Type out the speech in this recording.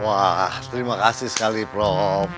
wah terima kasih sekali prof